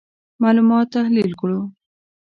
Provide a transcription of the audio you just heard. معلومات تحلیل کړو.